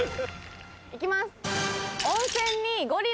行きます。